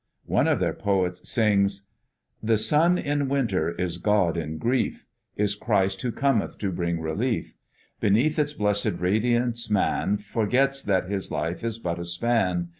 One of their poets sings: "The sun in winter is God in grief, Is Christ who cometh to bring relief. Beneath its blessed radiance, man Forgets that his life is but a span.